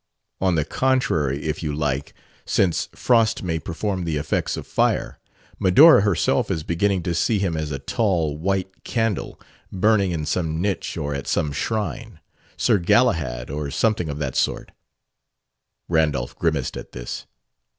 "'On the contrary,' if you like; since frost may perform the effects of fire. Medora herself is beginning to see him as a tall, white candle, burning in some niche or at some shrine. Sir Galahad or something of that sort." Randolph grimaced at this.